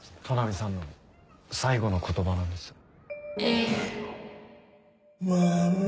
都波さんの最後の言葉なんです。